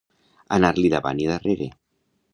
Anar-li davant i darrere.